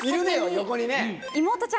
横にね。